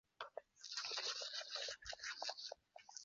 易贡紫柄蕨为金星蕨科紫柄蕨属下的一个种。